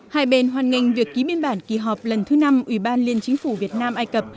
hai bên hoàn ngành việc ký biên bản kỳ họp lần thứ năm ủy ban liên chính phủ việt nam ai cập